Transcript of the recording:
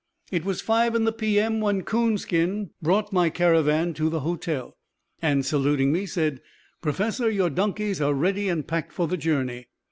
It was five in the p. m. when Coonskin brought my caravan to the hotel, and saluting me, said, "Professor, your donkeys are ready and packed for the journey."